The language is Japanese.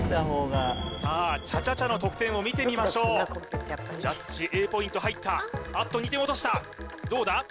さあチャチャチャの得点を見てみましょうジャッジＡポイント入ったあっと２点落としたどうだ？